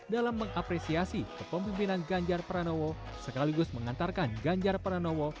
dalam mengapresiasi kepemimpinan ganjar pernowo sekaligus mengantarkan ganjar pernowo